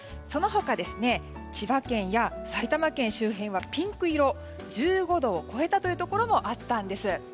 その他、千葉県や埼玉県周辺はピンク色１５度を超えたというところもあったんです。